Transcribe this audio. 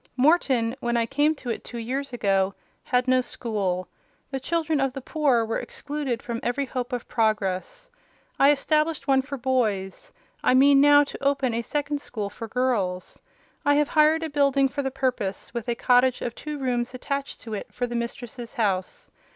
Morton, when I came to it two years ago, had no school: the children of the poor were excluded from every hope of progress. I established one for boys: I mean now to open a second school for girls. I have hired a building for the purpose, with a cottage of two rooms attached to it for the mistress's house.